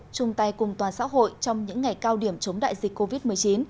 chung tay cùng toàn xã hội trong những ngày cao điểm chống đại dịch covid một mươi chín